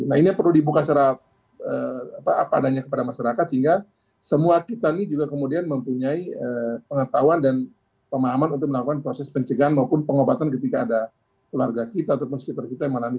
nah ini yang perlu dibuka secara apa adanya kepada masyarakat sehingga semua kita ini juga kemudian mempunyai pengetahuan dan pemahaman untuk melakukan proses pencegahan maupun pengobatan ketika ada keluarga kita ataupun sweeper kita yang mengalami